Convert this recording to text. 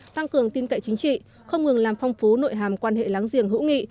tăng cường tin cậy chính trị không ngừng làm phong phú nội hàm quan hệ láng giềng hữu nghị